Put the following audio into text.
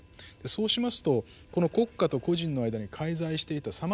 そうしますとこの国家と個人の間に介在していたさまざまな中間団体